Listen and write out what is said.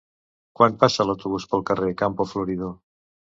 Quan passa l'autobús pel carrer Campo Florido?